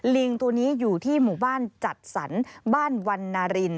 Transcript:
ลิงตัวนี้อยู่ที่หมู่บ้านจัดสรรบ้านวันนาริน